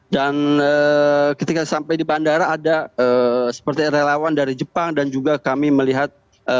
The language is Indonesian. dan ketika sampai di bandara ada seperti relawan dari jepang dan juga kami melihat